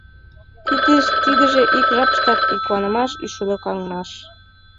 Тидыже ик жапыштак и куанымаш, и шӱлыкаҥмаш.